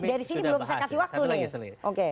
sebentar ini dari sini belum bisa kasih waktu nih